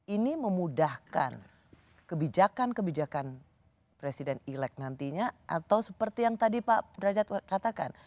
ini memudahkan kebijakan kebijakan presiden elek nantinya atau seperti yang tadi pak derajat katakan